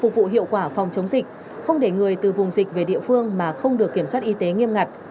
phục vụ hiệu quả phòng chống dịch không để người từ vùng dịch về địa phương mà không được kiểm soát y tế nghiêm ngặt